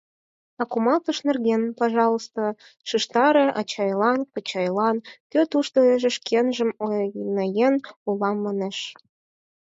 А кумалтыш нерген — пожалуйста, шижтаре, ачайлан, кочайлан, кӧ тушто эше шкенжым онаеҥ улам манеш...